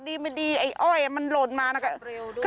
ดีไม่ดีไอ้อ้อยมันหล่นมานะคะ